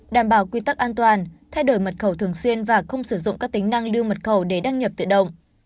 đảm bảo quy tắc an toàn thay đổi mật khẩu thường xuyên và không sử dụng các tính năng lưu mật khẩu để đăng nhập tự động